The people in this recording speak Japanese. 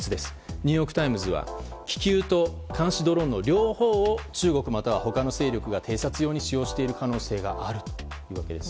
ニューヨーク・タイムズは気球と監視ドローンの両方を中国、または他の勢力が偵察用に使用している可能性があるとしているんです。